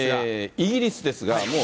イギリスですが、もう。